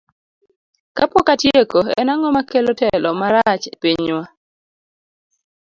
Kapok atieko, en ang'o makelo telo marach e pinywa?